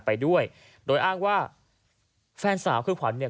ไปด้วยโดยอ้าวว่าแฟนทรอบครึ่งขวัญ